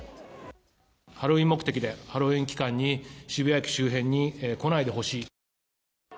ハロウィーン目的で、ハロウィーン期間に渋谷駅周辺に来ないでほしい。